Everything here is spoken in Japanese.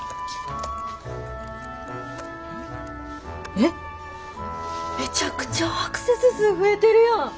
えっめちゃくちゃアクセス数増えてるやん！